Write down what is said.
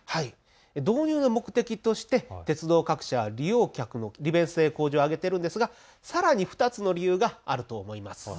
導入の目的として鉄道各社、利用客の利便性向上を挙げているんですが、さらに２つの理由があると思います。